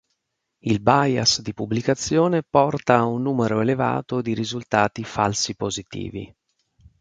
Il bias di pubblicazione porta a un numero elevato di risultati falsi positivi.